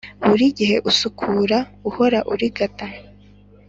buri gihe usukura, uhora urigata,